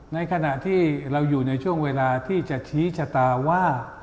ในขณะที่เราอยู่ในช่วงเวลาที่จะชี้ชะตาว่า